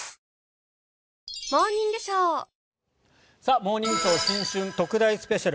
「モーニングショー新春特大スペシャル」。